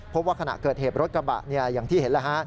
พบว่าขณะเกิดเหตุรถกระบะอย่างที่เห็นแล้วฮะ